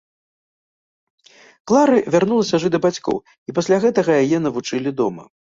Клары вярнулася жыць да бацькоў, і пасля гэтага яе навучылі дома.